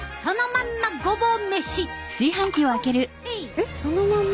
えっそのまんま？